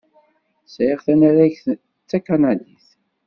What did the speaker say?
Sɛiɣ tanaragt d takanadit.